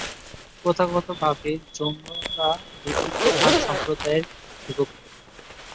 প্রথাগতভাবে, জৈনরা দুটি প্রধান সম্প্রদায়ে বিভক্ত।